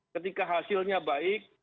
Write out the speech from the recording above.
ketika hasilnya baik